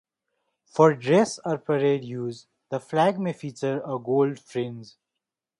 For dress or parade use, the flag may feature a gold fringe.